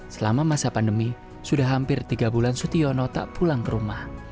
selama masa pandemi sudah hampir tiga bulan sutyono tak pulang ke rumah